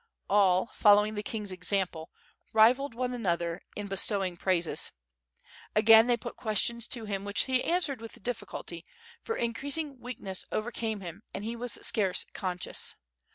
All, following the king's example, rivalled one another in bestowing praises. Again they put questions to him which he answered with difficulty, for increasing weakness overcame him, and he was scarce conscious.